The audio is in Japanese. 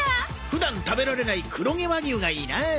普段食べられない黒毛和牛がいいなあ